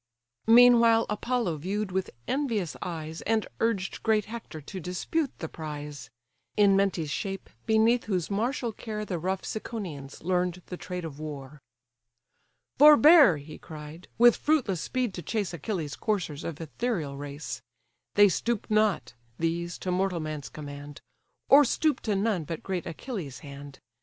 Meanwhile Apollo view'd with envious eyes, And urged great Hector to dispute the prize; (In Mentes' shape, beneath whose martial care The rough Ciconians learn'd the trade of war;) "Forbear (he cried) with fruitless speed to chase Achilles' coursers, of ethereal race; They stoop not, these, to mortal man's command, Or stoop to none but great Achilles' hand.